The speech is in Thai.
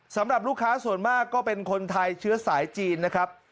สำหรับลูกค้าส่วนมากก็เป็นคนไทยเชื้อสายจีนนะครับ